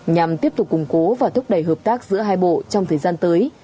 nhằm tiếp tục củng cố và thúc đẩy hợp tác giữa hai bộ trong thời gian tới